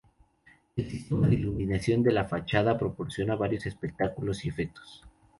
El sistema de iluminación de la fachada proporciona varios espectáculos y efectos.